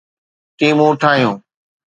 ٽيمون ٺاهيون